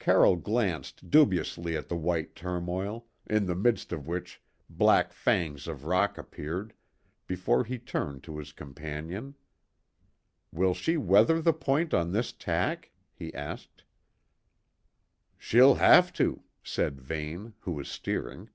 Carroll glanced dubiously at the white turmoil, in the midst of which black fangs of rock appeared, before he turned to his companion. "Will she weather the point on this tack?" he asked. "She'll have to," said Vane, who was steering.